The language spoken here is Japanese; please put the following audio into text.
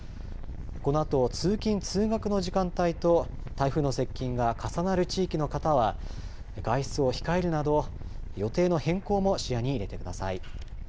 このあと、通勤通学の時間帯と台風の接近が重なる地域の方は外出を控えるなど予定の変更も視野に入れてください。